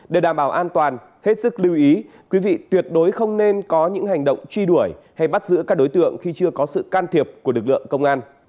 để đảm bảo an toàn hết sức lưu ý quý vị tuyệt đối không nên có những hành động truy đuổi hay bắt giữ các đối tượng khi chưa có sự can thiệp của lực lượng công an